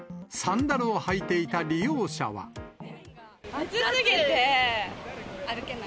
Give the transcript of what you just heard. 暑すぎて歩けない。